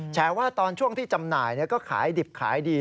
แชร์ว่าตอนช่วงที่จำหน่ายก็ขายดิบขายดี